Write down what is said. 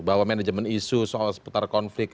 bahwa manajemen isu soal seputar konflik